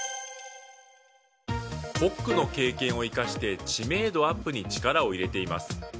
コックの経験を生かして知名度アップに力を入れています。